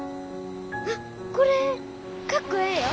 あっこれかっこええよ。